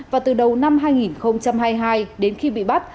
và từ đầu năm hai nghìn hai mươi hai đến khi bị bắt